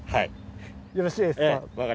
よろしいですか？